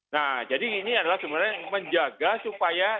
nah jadi ini adalah sebenarnya menjaga supaya